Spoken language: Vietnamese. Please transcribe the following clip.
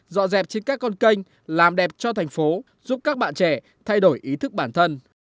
dọn dẹp trên các con kênh làm đẹp cho thành phố giúp các bạn trẻ thay đổi ý thức bản thân